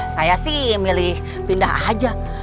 saya sih milih pindah aja